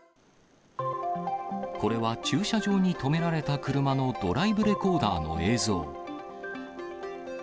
これは駐車場に止められた車のドライブレコーダーの映像。